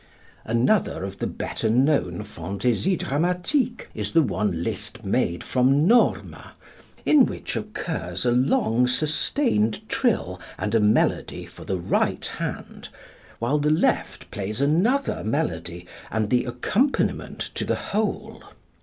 Another of the better known "Fantasies Dramatiques" is the one Liszt made from "Norma," in which occurs a long sustained trill and a melody for the right hand, while the left plays another melody and the accompaniment to the whole.